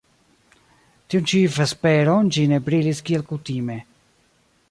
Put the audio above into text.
Tiun ĉi vesperon ĝi ne brilis kiel kutime.